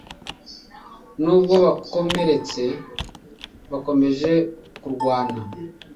Nubwo bakomeretse bakomeje kurwana